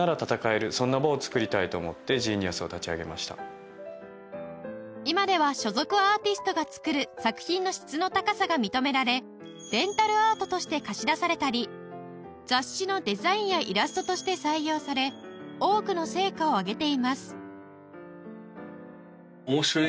西村さんの今では所属アーティストが作る作品の質の高さが認められレンタルアートとして貸し出されたり雑誌のデザインやイラストとして採用され多くの成果を上げています